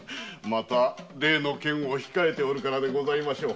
例の件を控えておるからでございましょう。